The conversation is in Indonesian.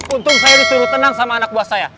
untung saya disuruh tenang sama anak buah saya